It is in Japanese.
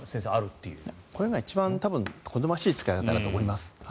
こういうのが一番好ましい使い方だと思います。